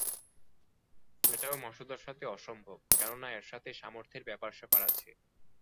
সেটাও মাসুদার কাছে অসম্ভব, কেননা এর সাথে সামর্থের ব্যাপার-স্যাপার আছে।